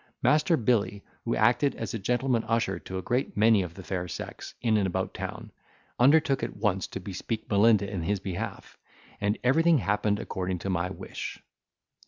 Master Billy, who acted as a gentleman usher to a great many of the fair sex in and about town, undertook at once to bespeak Melinda in his behalf; and everything happened according to my wish.